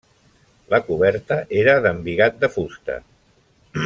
La coberta era d'embigat de fusta.